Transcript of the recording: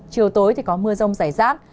chiều tối thì có mưa rông dài rác